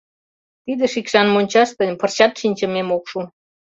Тиде шикшан мончаште пырчат шинчымем ок шу.